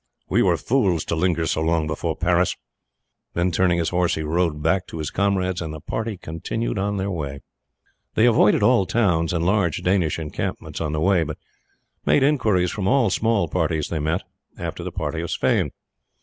We were fools to linger so long before Paris." Then turning his horse, he rode back to his comrades, and the party continued their way. They avoided all towns and large Danish encampments on the way, but made inquiries from all small parties they met after the party of Sweyn.